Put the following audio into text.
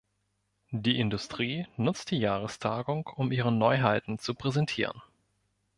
Die Industrie nutzt die Jahrestagung um ihre Neuheiten zu präsentieren.